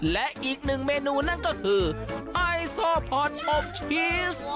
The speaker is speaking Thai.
และอีกหนึ่งเมนูนั่นก็คือไอโซผ่อนอบชีส